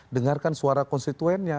dengarkan suara konstituennya